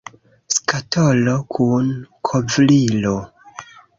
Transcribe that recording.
Skatolo kun kovrilo.